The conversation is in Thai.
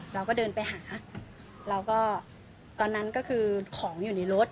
เราก็เดินไปหาเราก็ตอนนั้นก็คือของอยู่ในรถ